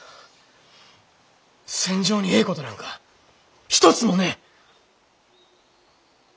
戦場にええことなんか一つもねえ！